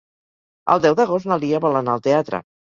El deu d'agost na Lia vol anar al teatre.